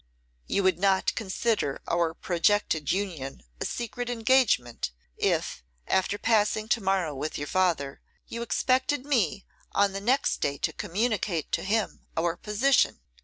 'You would not consider our projected union a secret engagement, if, after passing to morrow with your father, you expected me on the next day to communicate to him our position.